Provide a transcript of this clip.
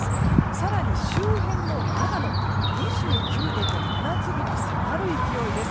更に周辺の長野、２９度と真夏日に迫る勢いです。